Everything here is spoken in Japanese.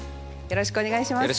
よろしくお願いします。